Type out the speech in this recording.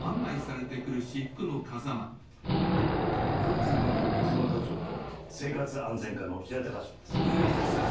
交通課の小島課長と生活安全課の平田課長です。